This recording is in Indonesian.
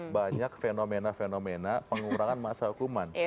banyak fenomena fenomena pengurangan masa hukuman